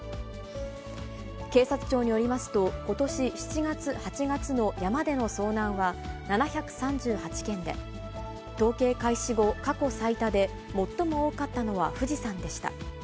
警察庁によりますと、ことし７月、８月の山での遭難は７３８件で、統計開始後、過去最多で、最も多かったのは富士山でした。